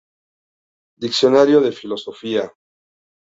Diccionario de Filosofía.